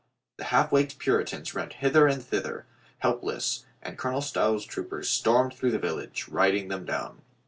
The half waked Puritans ran hither and thither, helpless, and Colonel Stow's troopers stormed through the village, riding them down.